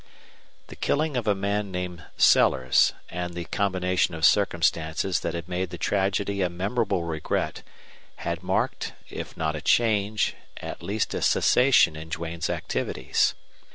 The killing of a man named Sellers, and the combination of circumstances that had made the tragedy a memorable regret, had marked, if not a change, at least a cessation in Duane's activities.